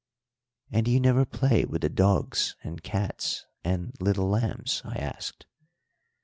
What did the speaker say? "And do you never play with the dogs and cats and little lambs?" I asked.